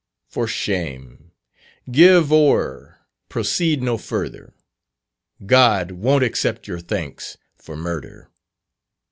For shame! give o'er, proceed no further, God won't accept your thanks for murder."